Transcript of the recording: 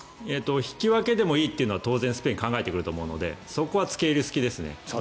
引き分けでもいいというのは当然、スペイン考えてくると思うのでそこは付け入る隙ですね。